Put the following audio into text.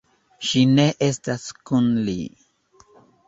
Ŝi ne estas kun li.